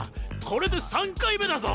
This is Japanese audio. これで３回目だぞ。